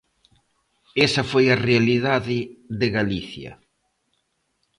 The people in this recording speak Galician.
Esa foi a realidade de Galicia.